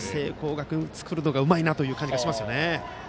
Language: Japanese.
学院は作るのがうまいなという感じがします。